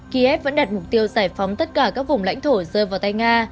kiev vẫn đặt mục tiêu giải phóng tất cả các vùng lãnh thổ rơi vào tay nga